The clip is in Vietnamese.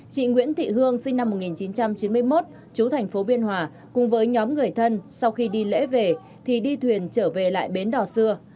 chị nguyễn thị hương sinh năm một nghìn chín trăm chín mươi một chú thành phố biên hòa cùng với nhóm người thân sau khi đi lễ về thì đi thuyền trở về lại bến đò xưa